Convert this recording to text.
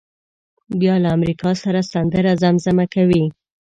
بیا له امریکا سره سندره زمزمه کوي.